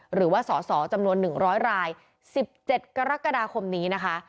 หรือว่าสสจำนวน๑๐๐ราย๑๗กรกฎาคมนี้นะคะ